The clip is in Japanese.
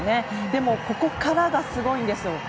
でもここからがすごいんです。